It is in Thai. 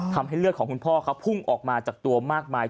ทำให้เลือดของคุณพ่อเขาพุ่งออกมาจากตัวมากมาย